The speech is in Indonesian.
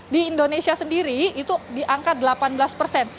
di indonesia sendiri itu diangkat delapan belas persen